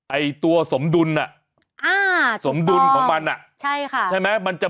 ไอ้ตัวสมดุลน่ะ